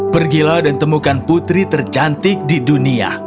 pergilah dan temukan putri tercantik di dunia